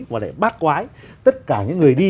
và lại bát quái tất cả những người đi